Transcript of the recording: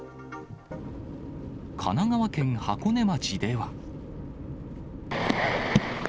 神奈川県箱根町では。